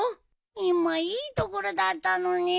今いいところだったのに。